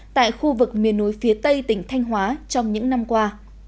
tại khu vực miền núi phía tây tỉnh thanh hóa trong những năm qua